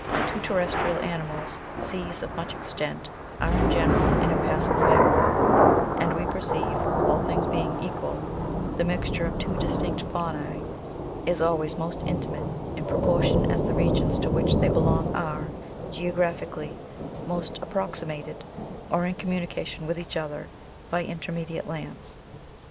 To terrestrial animals seas of much extent are in general an impassable barrier, and we perceive, all things being equal, the mixture of two distinct faunas is always most intimate in pro portion as the regions to which they belong are, geographically, most approximated, or in communication with each other, by intermediate lands.